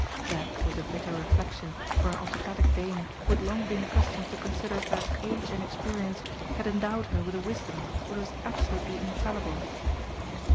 That was a bitter reflection for an autocratic dame who had long been accustomed to consider that age and experience had endowed her with a wisdom which was absolutely infallible.